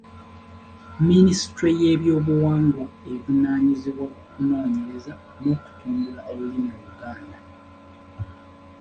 Minisitule y'eby'obuwangwa evunaanyizibwa ku kunoonyereza n’okutumbula olulimi Oluganda.